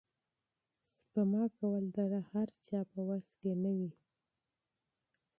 سپما کول د هر چا په وس کې نه وي.